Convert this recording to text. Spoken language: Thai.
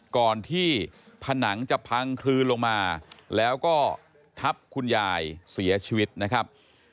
ก่อนที่ผนังจะพังคลืนลงมาแล้วก็ทับคุณยายเสียชีวิตนะครับ